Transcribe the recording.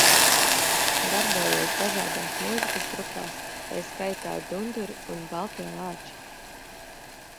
"Darbojies dažādās mūzikas grupās, tai skaitā "Dunduri" un "Baltie lāči"."